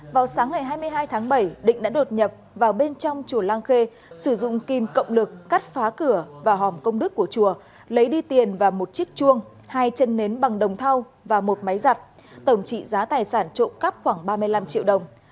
vào sáng ngày hai mươi hai tháng bảy định đã đột nhập vào bên trong chùa lang khê sử dụng kim cộng lực cắt phá cửa và hòm công đức của chùa lấy đi tiền và một chiếc chuông hai chân nến bằng đồng thau và một máy giặt tổng trị giá tài sản trộm cắp khoảng ba mươi năm triệu đồng